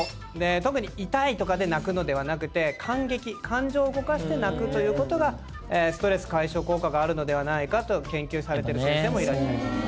特に痛いとかで泣くのではなく感激感情を動かして泣くということがストレス解消効果があるのではないかと研究されてる先生もいらっしゃいます。